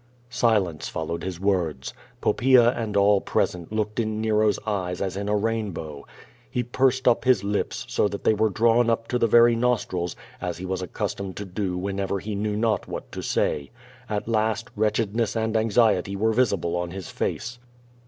Silence followed his words. Poppaea and all present looked in Nero's eyes as in a rainbow. He pursed up his lips, so that they were drawn up to the very nostrils, as he was accustomed to do whenever he knew not what to say. At last wretchedness and anxiety were visible on his face.